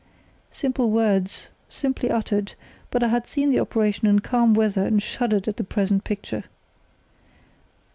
(Simple words, simply uttered; but I had seen the operation in calm water and shuddered at the present picture.)